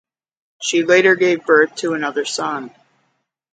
She later gave birth to another son.